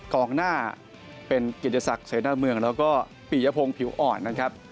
กองหน้าเป็นเกียรติศักดิ์เสนาเมืองแล้วก็ปียพงศ์ผิวอ่อนนะครับ